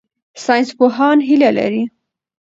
ساینسپوهان هیله لري.